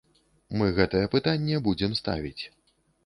Мы гэтае пытанне будзем ставіць.